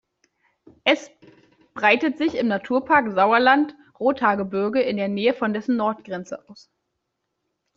Es breitet sich im Naturpark Sauerland-Rothaargebirge in der Nähe von dessen Nordgrenze aus.